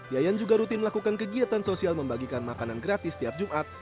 yayan juga rutin melakukan kegiatan sosial membagikan makanan gratis setiap jumat